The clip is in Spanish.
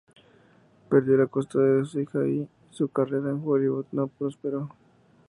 Perdió la custodia de su hija y su carrera en Hollywood no prosperó.